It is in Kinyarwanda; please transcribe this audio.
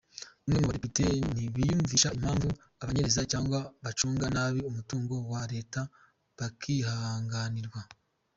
Bamwe mu badepite ntibiyumvisha impamvu abanyereza cyangwa bagacunga nabi umutungo wa leta bakihanganirwa.